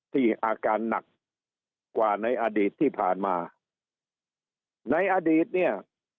ที่อาการหนักกว่าในอดีตที่ผ่านมาในอดีตเนี่ย